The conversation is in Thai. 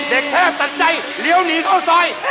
เด็กเทพสัจใจเลี้ยวหนีเข้าสอย